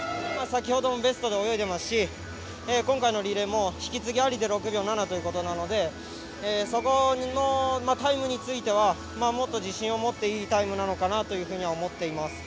先ほどもベストで泳いでますし今回のリレーも引き継ぎありで６秒７ということなのでそこのタイムについてはもっと自信を持っていいタイムなのかなというふうには思っています。